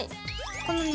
このね